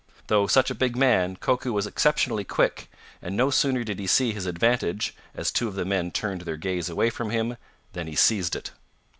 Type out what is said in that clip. Though such a big man, Koku was exceptionally quick, and no sooner did he see his advantage, as two of the men turned their gaze away from him, than he seized it.